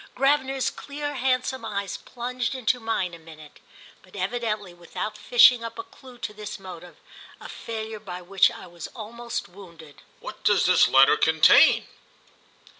Gravener's clear handsome eyes plunged into mine a minute, but evidently without fishing up a clue to this motive—a failure by which I was almost wounded. "What does the letter contain?"